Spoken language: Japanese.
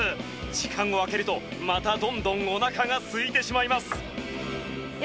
時間を空けるとまたどんどんおなかがすいてしまいます。